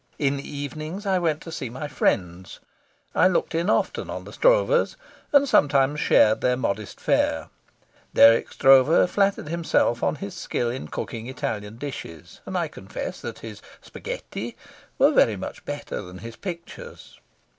In the evenings I went to see my friends. I looked in often on the Stroeves, and sometimes shared their modest fare. Dirk Stroeve flattered himself on his skill in cooking Italian dishes, and I confess that his were very much better than his pictures.